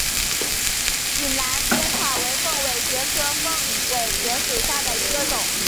井栏边草为凤尾蕨科凤尾蕨属下的一个种。